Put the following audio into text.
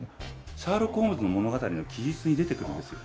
シャーロック・ホームズの物語の記述に出てくるんですよ。